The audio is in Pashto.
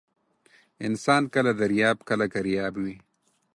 انسان کله درياب ، کله کرياب وى.